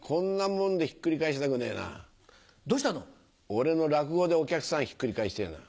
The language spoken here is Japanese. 俺の落語でお客さんひっくり返してぇな。